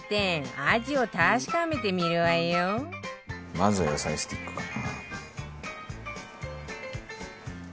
まずは野菜スティックかな。